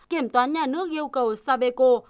kiểm toán nhà nước yêu cầu sabeco